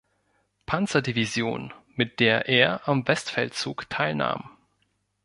Panzer-Division, mit der er am Westfeldzug teilnahm.